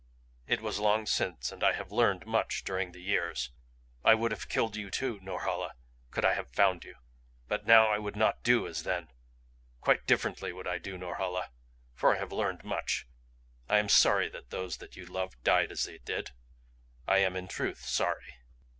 It was long since, and I have learned much during the years. I would have killed you too, Norhala, could I have found you. But now I would not do as then quite differently would I do, Norhala; for I have learned much. I am sorry that those that you loved died as they did. I am in truth sorry!"